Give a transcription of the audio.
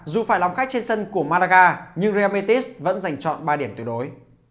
dù phải lòng khách trên sân của malaga nhưng real métis vẫn giành chọn ba điểm tự đối